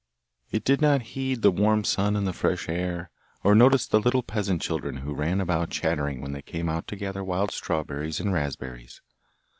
It did not heed the warm sun and the fresh air, or notice the little peasant children who ran about chattering when they came out to gather wild strawberries and raspberries.